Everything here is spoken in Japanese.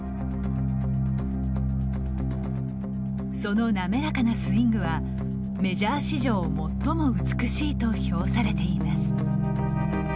その滑らかなスイングはメジャー史上最も美しいと評されています。